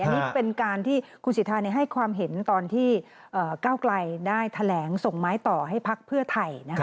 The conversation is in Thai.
อันนี้เป็นการที่คุณสิทธาให้ความเห็นตอนที่ก้าวไกลได้แถลงส่งไม้ต่อให้พักเพื่อไทยนะคะ